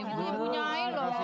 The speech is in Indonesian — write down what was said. ibu punya ailo